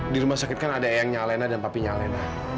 di rumah sakit kan ada ayangnya alina dan papinya alina